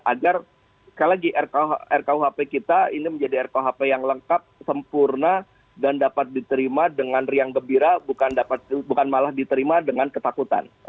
agar sekali lagi rkuhp kita ini menjadi rkuhp yang lengkap sempurna dan dapat diterima dengan riang gembira bukan malah diterima dengan ketakutan